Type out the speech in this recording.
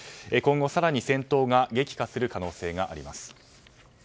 今後、更に戦闘が激化する可能性があります。